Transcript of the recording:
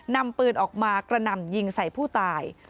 นำปืนออกมากระหน่ำยิงใส่ผู้ตาย